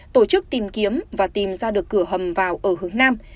tổ chức tìm kiếm và tìm ra được cửa hầm vào ở hướng nam